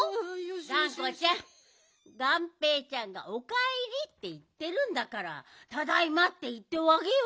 がんこちゃんがんぺーちゃんが「おかえり」っていってるんだから「ただいま」っていっておあげよ。